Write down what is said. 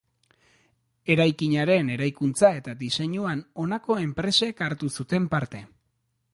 Eraikinaren eraikuntza eta diseinuan honako enpresek hartu zuten parte.